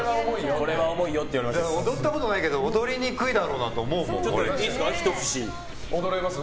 踊ったことないけど踊りにくいだろうなと思うもん。